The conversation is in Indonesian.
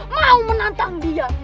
mau menantang dia